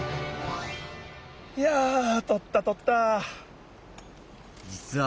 いやとったとった！